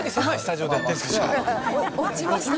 落ちましたね。